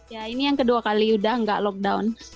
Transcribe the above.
ya ini yang kedua kali sudah nggak lockdown